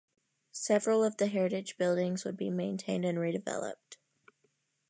Several of the heritage buildings would be maintained and redeveloped.